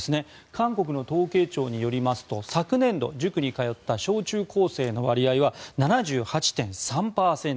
韓国の統計庁によりますと昨年度、塾に通った小中高生の割合は７８．３％。